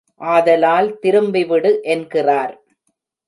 ஆதலால் திரும்பிவிடு என்கிறார்.